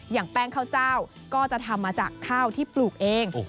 อย่างแป้งข้าวเจ้าก็จะทำมาจากข้าวที่ปลูกเอง